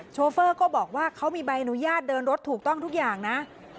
โฟเฟอร์ก็บอกว่าเขามีใบอนุญาตเดินรถถูกต้องทุกอย่างนะ